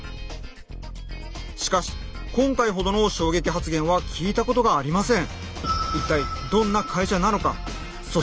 しかし今回ほどの衝撃発言は聞いたことがありません。